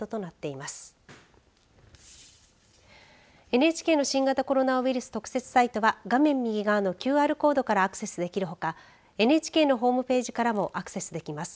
ＮＨＫの新型コロナウイルス特設サイトは画面右側のＱＲコードからアクセスできるほかＮＨＫのホームページからもアクセスできます。